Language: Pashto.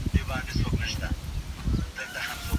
د موجوده معلوماتو د تجزیې کچه لوړه ده.